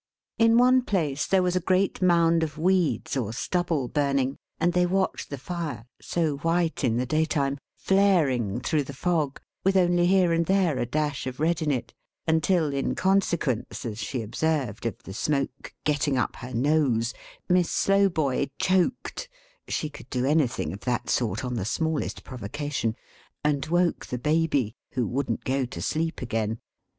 In one place, there was a great mound of weeds or stubble burning; and they watched the fire, so white in the day time, flaring through the fog, with only here and there a dash of red in it, until, in consequence as she observed of the smoke "getting up her nose," Miss Slowboy choked she could do anything of that sort, on the smallest provocation and woke the Baby, who wouldn't go to sleep again.